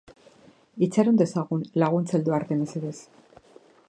Itxaron dezagun laguntza heldu arte, mesedez.